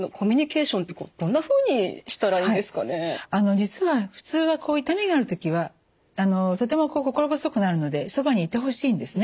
実は普通は痛みがある時はとても心細くなるのでそばにいてほしいんですね。